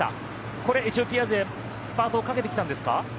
これ、エチオピア勢スパートをかけてきたんですか？